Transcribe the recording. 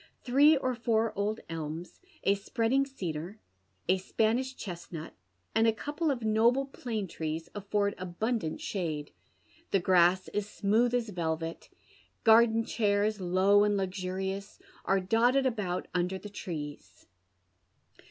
Three or four old tlms, a spreading cedar, a Spanish chestnut, and a couple of noble plane trees alTord abundant shade. The grass is smoulli as velvet. Garden chairs, low and luxurious, are dotted about under the trees.